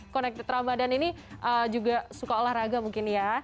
connected ramadhan ini juga suka olahraga mungkin ya